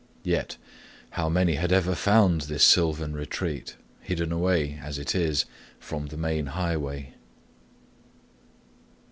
Yet how many had ever found this sylvan retreat, hidden away, as it is, from the main highway?